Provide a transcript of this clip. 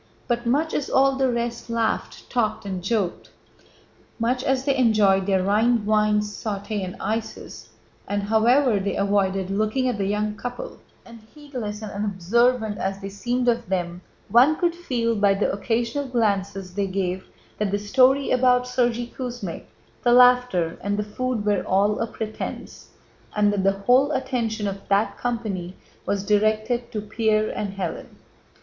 But much as all the rest laughed, talked, and joked, much as they enjoyed their Rhine wine, sauté, and ices, and however they avoided looking at the young couple, and heedless and unobservant as they seemed of them, one could feel by the occasional glances they gave that the story about Sergéy Kuzmích, the laughter, and the food were all a pretense, and that the whole attention of that company was directed to—Pierre and Hélène.